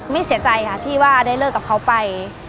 เสียใจค่ะที่ว่าได้เลิกกับเขาไป